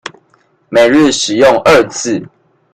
每日使用二次